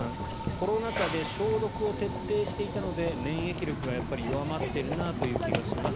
コロナ禍で消毒を徹底していたので免疫力がやっぱり弱まっているなという気がします。